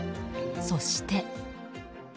そして。